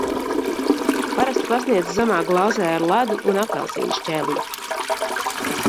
Parasti pasniedz zemā glāzē ar ledu un apelsīna šķēlīti.